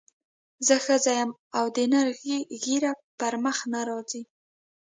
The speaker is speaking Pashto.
زه ښځه یم او د نر ږیره پر مخ نه راځي.